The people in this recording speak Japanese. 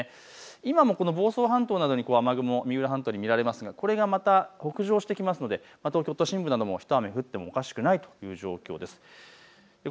今も房総半島などに雨雲、三浦半島に見られますがこれがまた北上してくるので東京都心も一雨降ってもおかしくないという状況です。